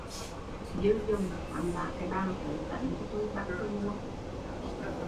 Dư dùng, hắn vác cái bàn tới tấn cho tui bắt tui mua